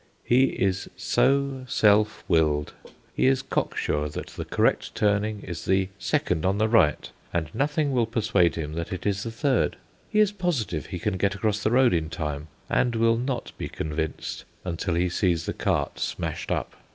He is so self willed. He is cock sure that the correct turning is the second on the right, and nothing will persuade him that it is the third. He is positive he can get across the road in time, and will not be convinced until he sees the cart smashed up.